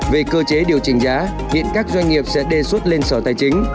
về cơ chế điều chỉnh giá hiện các doanh nghiệp sẽ đề xuất lên sở tài chính